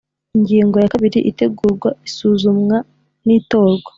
Ingingo ya kabiri Itegurwa isuzumwa n itorwa